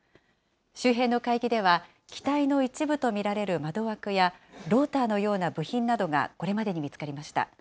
周辺の海域では、機体の一部と見られる窓枠や、ローターのような部品などがこれまでに見つかりました。